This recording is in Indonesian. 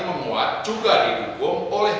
memuat juga didukung oleh